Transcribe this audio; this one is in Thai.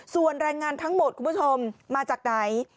ส่วนแรงงานทั้งหมดคุณผู้ชมมาจากไหน